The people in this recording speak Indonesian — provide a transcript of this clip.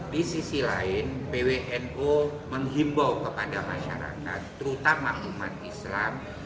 di sisi lain pwnu menghimbau kepada masyarakat terutama umat islam